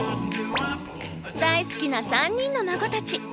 大好きな３人の孫たち。